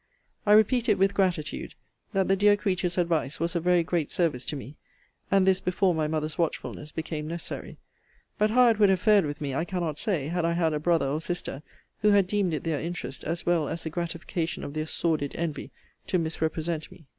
I repeat it with gratitude, that the dear creature's advice was of very great service to me and this before my mother's watchfulness became necessary. But how it would have fared with me, I cannot say, had I had a brother or sister, who had deemed it their interest, as well as a gratification of their sordid envy, to misrepresent me.